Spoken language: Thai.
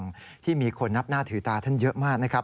อาจารย์ชื่อดังที่มีคนนับหน้าถือตาท่านเยอะมากนะครับ